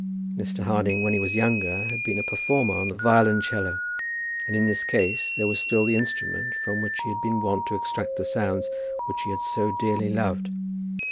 Mr. Harding, when he was younger, had been a performer on the violoncello, and in this case there was still the instrument from which he had been wont to extract the sounds which he had so dearly loved.